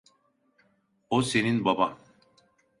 O senin baban.